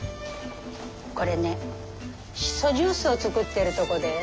これねしそジュースを作ってるとこです。